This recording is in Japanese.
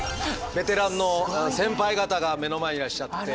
ベテランの先輩方が目の前にいらっしゃって。